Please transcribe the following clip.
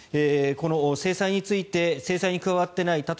この制裁について制裁に加わっていない